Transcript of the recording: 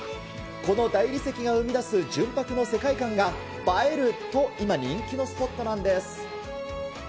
この大理石が生み出す純白の世界観が映えると、今、人気のスポットなんです。